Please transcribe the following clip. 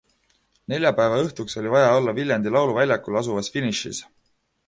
Neljapäeva õhtuks oli vaja olla Viljandi lauluväljakul asuvas finišis.